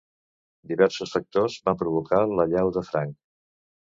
Diversos factors van provocar l'allau de Frank.